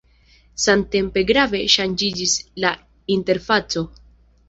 Samtempe grave ŝanĝiĝis la interfaco.